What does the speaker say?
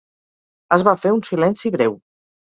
Es va fer un silenci breu.